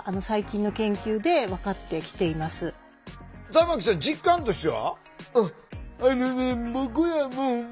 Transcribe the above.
玉木さん実感としては？